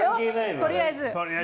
取りあえず。